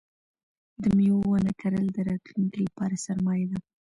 د مېوو ونه کرل د راتلونکي لپاره سرمایه ده.